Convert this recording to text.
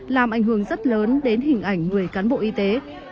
làm ảnh hưởng rất lớn đến hình ảnh người cán bộ y tế